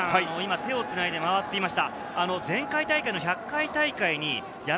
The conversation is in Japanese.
手をつないで回っていました。